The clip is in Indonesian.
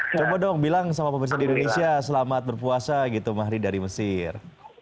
coba dong bilang sama pemerintah di indonesia selamat berpuasa gitu mahri dari mesir